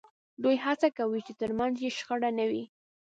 دوی هڅه کوي چې ترمنځ یې شخړه نه وي